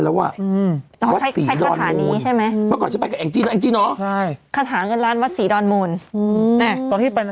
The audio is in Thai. สวดที่กระถาเงินล้านเนี่ย